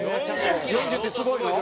「４０ってすごいの？」